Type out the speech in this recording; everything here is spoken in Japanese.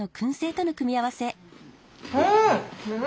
うん！